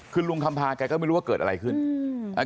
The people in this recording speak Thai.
คือลุงคำพาแกก็ไม่รู้ว่าเกิดอะไรขึ้นอืม